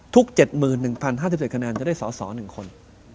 ทุก๗๑๐๕๗คะแนนจะได้สอ๑คน